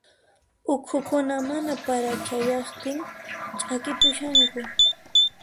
Uqhukuna mana para chayaqtin ch'akipushanku.